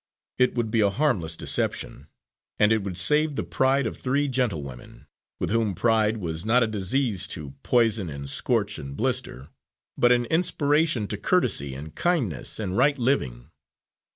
It would be a harmless deception, and it would save the pride of three gentlewomen, with whom pride was not a disease, to poison and scorch and blister, but an inspiration to courtesy, and kindness, and right living.